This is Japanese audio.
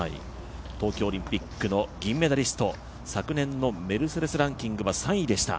東京オリンピックの銀メダリスト、昨年のメルセデスランキングは３位でした。